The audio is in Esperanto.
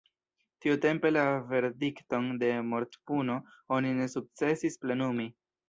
Tiutempe la verdikton de mortpuno oni ne sukcesis plenumi.